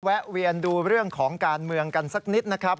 แวนดูเรื่องของการเมืองกันสักนิดนะครับ